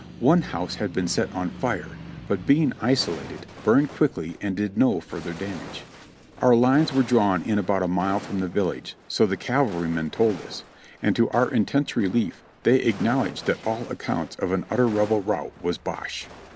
One house had been set on fire, but being iso lated, burned quickly and did no further damage. Our lines were drawn in about a mile from the village, so the cavalrymen told us; and to our intense relief they acknowledged that all accounts of an utter Rebel rout was bosh.